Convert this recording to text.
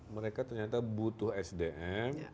mereka ternyata butuh sdm